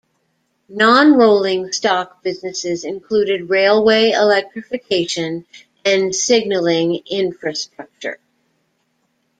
Non rolling stock businesses included railway electrification and signalling infrastructure.